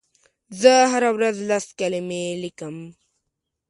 زه هره ورځ لس کلمې لیکم.